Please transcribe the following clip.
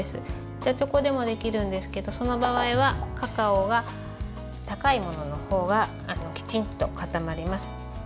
板チョコでもできるんですけどその場合はカカオは高いもののほうがきちんと固まります。